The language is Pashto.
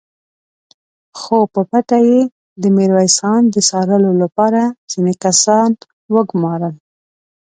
خو په پټه يې د ميرويس خان د څارلو له پاره ځينې کسان وګومارل!